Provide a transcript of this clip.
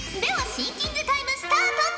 シンキングタイムスタート！